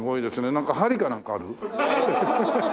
なんか針かなんかある？